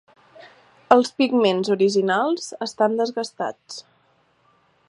Els pigments originals estan desgastats.